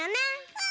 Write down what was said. うん！